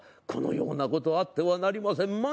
このようなことあってはなりません。